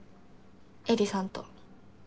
絵里さんと。